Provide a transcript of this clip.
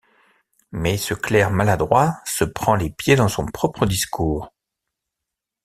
Mais ce clerc maladroit se prend les pieds dans son propre discours.